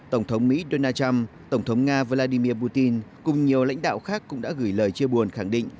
tổng thống mỹ donald trump tổng thống nga vladimir putin cùng nhiều lãnh đạo khác cũng đã gửi lời chia buồn khẳng định